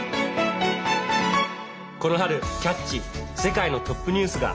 この春「キャッチ！世界のトップニュース」が。